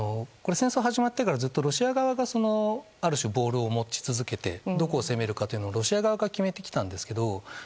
戦争が始まってからずっとロシア側がある種、ボールを持ち続けてどこを攻めるかというのもロシア側が決めてきたんですけど